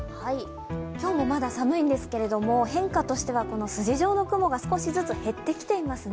今日もまだ寒いんですけれども、変化としては筋状の雲が少しずつ減ってきていますね。